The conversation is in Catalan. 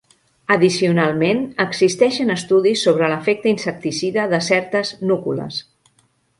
Addicionalment, existeixen estudis sobre l'efecte insecticida de certes núcules.